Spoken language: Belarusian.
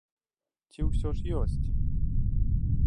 Ці ўсё ж ёсць?